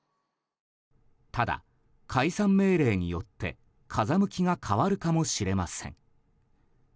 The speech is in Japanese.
ただ、解散命令によって風向きが変わるかもしれません。